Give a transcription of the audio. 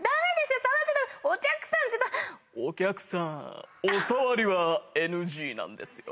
お客さんお触りはＮＧなんですよ。